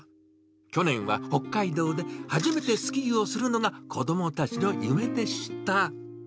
去年は北海道で初めてスキーをするのが、子どもたちの夢でした。